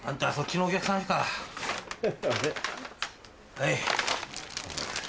はい。